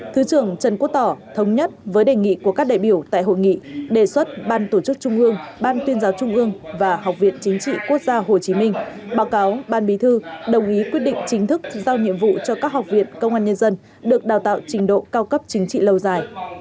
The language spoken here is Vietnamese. thứ trưởng trần quốc tỏ thống nhất với đề nghị của các đại biểu tại hội nghị đề xuất ban tổ chức trung ương ban tuyên giáo trung ương và học viện chính trị quốc gia hồ chí minh báo cáo ban bí thư đồng ý quyết định chính thức giao nhiệm vụ cho các học viện công an nhân dân được đào tạo trình độ cao cấp chính trị lâu dài